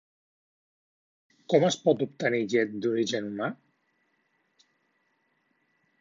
Com es pot obtenir llet d'origen humà?